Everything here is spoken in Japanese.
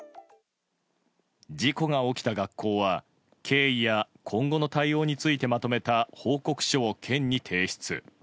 事故が起きた学校は経緯や今後の対応についてまとめた報告書を県に提出。